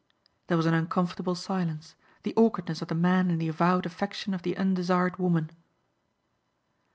There was an uncomfortable silence, the awkwardness of the man in the avowed affection of the undesired woman.